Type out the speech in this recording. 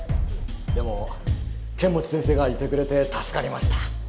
でも剣持先生がいてくれて助かりました。